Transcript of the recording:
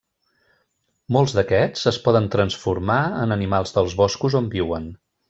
Molts d'aquests es poden transformar en animals dels boscos on viuen.